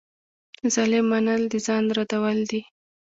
د ظالم منل د ځان ردول دي.